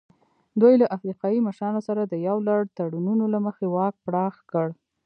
دوی له افریقایي مشرانو سره د یو لړ تړونونو له مخې واک پراخ کړ.